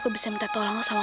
bapak mau air